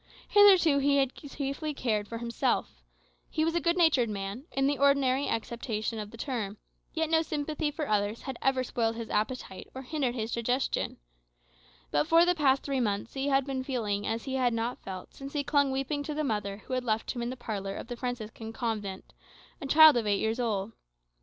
Hitherto he had chiefly cared for himself. He was a good natured man, in the ordinary acceptation of the term; yet no sympathy for others had ever spoiled his appetite or hindered his digestion. But for the past three months he had been feeling as he had not felt since he clung weeping to the mother who left him in the parlour of the Franciscan convent a child of eight years old.